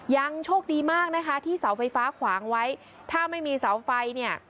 ยังโชคดีมากนะคะที่เสาไฟฟ้าขวางไว้ถ้าไม่มีเสาไฟเนี่ย